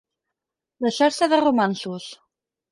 Deixar-se de romanços.